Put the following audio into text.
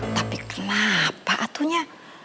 tapi kenapa atunya